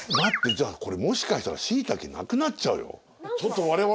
じゃあこれもしかしたらしいたけなくなっちゃうよ。